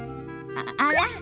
あら？